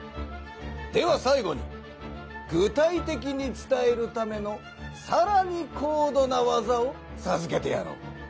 ではさい後に具体的に伝えるためのさらに高度な技をさずけてやろう。